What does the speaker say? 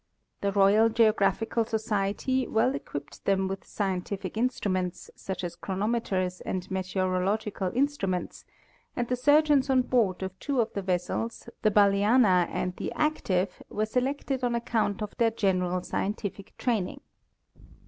The Royal Geo graphical Society well equipped them with scientific instruments, such as chronometers and meteorological instruments, and the surgeons on board of two of the vessels, the Balena and the Active, were selected on account of their general scientific training.